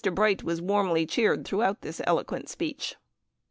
Bright was warmly cheered throughout his eloquent speech.)